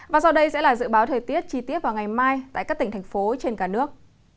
và sau đây sẽ là dự báo thời tiết chi tiết vào ngày mai tại các tỉnh thành phố trên cả nước